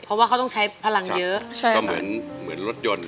เพราะว่าเขาต้องใช้พลังเยอะใช่ก็เหมือนเหมือนรถยนต์